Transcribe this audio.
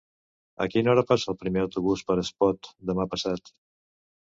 A quina hora passa el primer autobús per Espot demà passat?